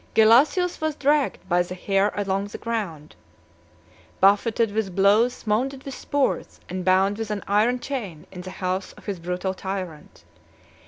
Gelasius was dragged by the hair along the ground, buffeted with blows, wounded with spurs, and bound with an iron chain in the house of his brutal tyrant.